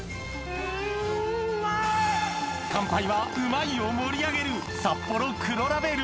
乾杯は「うまい！」を盛り上げるサッポロ黒ラベル！